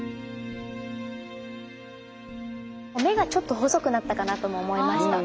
目がちょっと細くなったかなとも思いました。